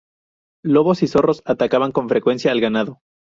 Lobos y zorros atacaban con frecuencia al ganado.